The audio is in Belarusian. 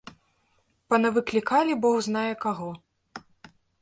Панавыклікалі бог знае каго.